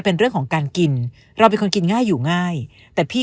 เป็นเรื่องของการกินเราเป็นคนกินง่ายอยู่ง่ายแต่พี่